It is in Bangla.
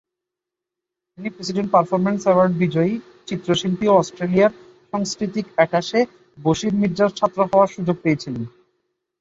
তিনি প্রেসিডেন্ট পারফরম্যান্স অ্যাওয়ার্ড বিজয়ী, চিত্রশিল্পী এবং অস্ট্রেলিয়ার সাবেক সংস্কৃতি সংযুক্তি বশির মির্জার ছাত্র হওয়ার সুযোগ পেয়েছিলেন।